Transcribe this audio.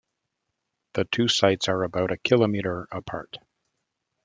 The two sites are about a kilometer apart.